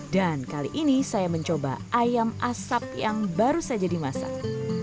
dan kali ini saya mencoba ayam asap yang baru saja dimasak